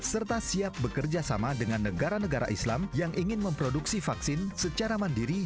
serta siap bekerja sama dengan negara negara islam yang ingin memproduksi vaksin secara mandiri